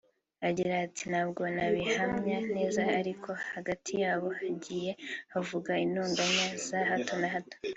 Agira ati “Ntabwo nabihamya neza ariko hagati yabo hagiye havuka intonganya za hato na hato